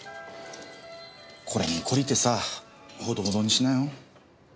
これにこりてさぁほどほどにしなよ。